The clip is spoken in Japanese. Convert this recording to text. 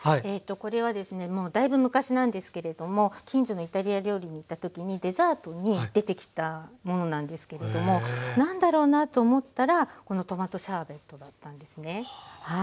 これはですねもうだいぶ昔なんですけれども近所のイタリア料理に行った時にデザートに出てきたものなんですけれども何だろうなと思ったらこのトマトシャーベットだったんですね。